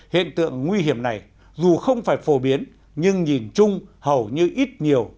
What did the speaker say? hiện tượng nguy hiểm này dù không phải phổ biến nhưng nhìn chung hầu như ít nhiều